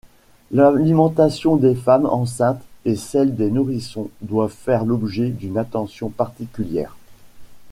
L'alimentation des femmes enceintes et celle des nourrissons doivent faire l'objet d'une attention particulière.